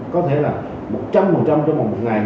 có thể là một trăm linh trong một ngày